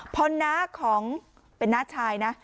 พอน้าของเป็นน้าชายนะ